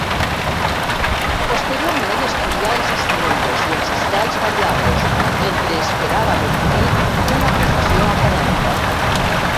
Posteriorment estudià els asteroides i els estels variables, mentre esperava d'obtenir una posició acadèmica.